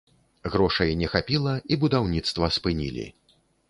Грошай не хапіла і будаўніцтва спынілі.